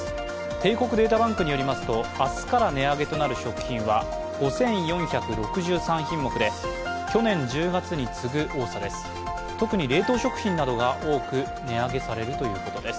帝国データバンクによりますと明日から値上げとなる食品は５４６３品目で、去年１０月に次ぐ多さです。